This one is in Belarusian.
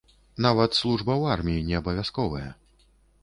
Нават служба ў арміі не абавязковая.